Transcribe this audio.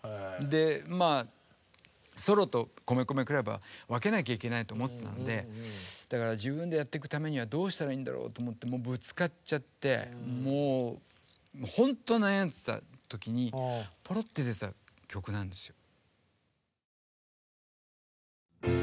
ソロと米米ＣＬＵＢは分けなきゃいけないと思ってたんでだから自分でやっていくためにはどうしたらいいんだろうと思ってぶつかっちゃってもうほんと悩んでた時にポロッて出た曲なんですよ。